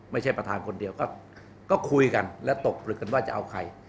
ไม่ใช่ประธานคนเดียวก็คุยกันและตกปลึกกันว่าจะเอาใคร